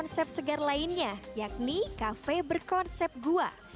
dan konsep segar lainnya yakni kafe berkonsep gua